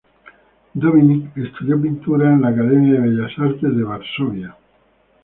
Dominik estudió pintura en la Academia de Bellas Artes de Varsovia.